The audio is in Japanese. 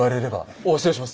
あっ失礼します